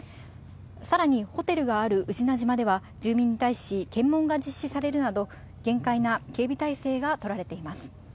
さらに、ホテルがある宇品島では、住民に対し検問が実施されるなど、厳戒な警備態勢が取られています。